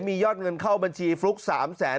มียอดเงินเข้าบัญชีฟลุ๊ก๓แสน